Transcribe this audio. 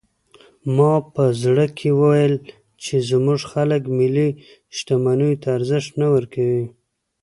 ما په زړه کې ویل چې زموږ خلک ملي شتمنیو ته ارزښت نه ورکوي.